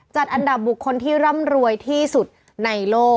จัดอันดับบุคคลที่ร่ำรวยที่สุดในโลก